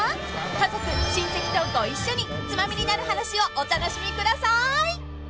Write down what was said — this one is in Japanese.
［家族親戚とご一緒に『ツマミになる話』をお楽しみください］